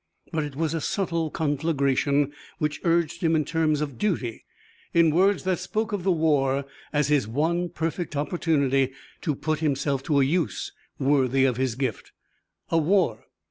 But it was a subtle conflagration, which urged him in terms of duty, in words that spoke of the war as his one perfect opportunity to put himself to a use worthy of his gift. A war.